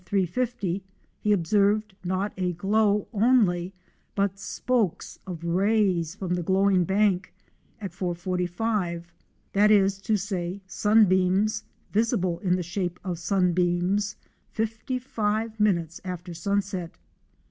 50, he observed not a glow only but " spokes of rays from the glowing bank " at 4.45, thatis to say, sunbeams, visible in the shape of sunbeams, 55 minutes after sunset.